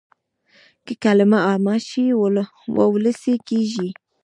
که کلمه عامه شي وولسي کېږي.